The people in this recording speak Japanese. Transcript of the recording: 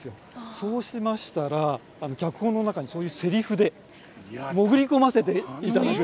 そうしましたら脚本の中にそういうセリフで潜り込ませていただいてですね。